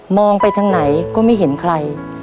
มองไปทั้งไหนก็ไม่เห็นใคร